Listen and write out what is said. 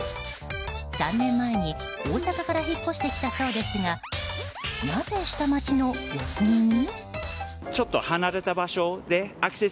３年前に大阪から引っ越してきたそうですがなぜ下町の四つ木に？